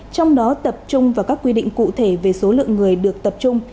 trong đó tập trung vào các quy định cụ thể về số lượng người được tập trung